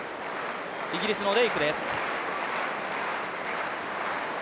イギリスのレイクです。